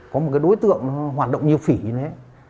có một cái đối tượng nó hoạt động như phỉ như thế